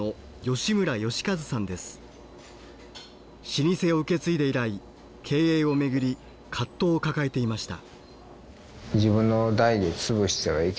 老舗を受け継いで以来経営を巡り葛藤を抱えていました。